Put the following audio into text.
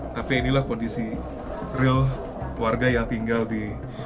tapi inilah kondisi real warga yang tinggal di